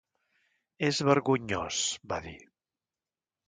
"És vergonyós", va dir.